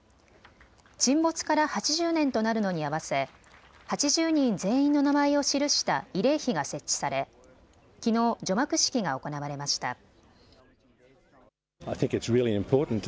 沈没から８０年となるのに合わせ８０人全員の名前を記した慰霊碑が設置されきのう除幕式が行われました。